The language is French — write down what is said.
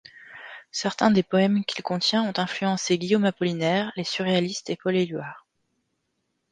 Certains des poèmes qu'il contient ont influencé Guillaume Apollinaire, les surréalistes et Paul Éluard.